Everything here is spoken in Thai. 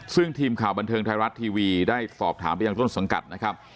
ซึ่งทีมข่าวบันเทิงไทยรัฐทีวีได้สอบถามไปยังต้นสังกัดนะครับ